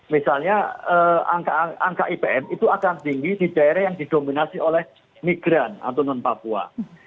misalnya angka ipm itu akan tinggi di daerah yang didominasi oleh migran atau non papua